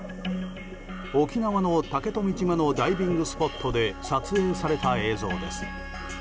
沖縄の竹富島のダイビングスポットで撮影された映像です。